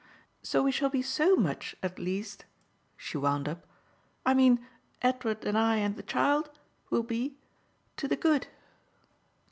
So we shall be SO much at least," she wound up "I mean Edward and I and the child will be to the good."